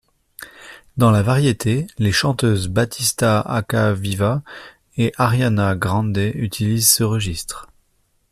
Dans la variété, les chanteuses Battista Acquaviva et Ariana Grande utilisent ce registre.